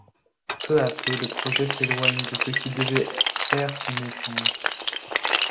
Peu à peu le projet s'éloigne de ce qui devait faire son essence.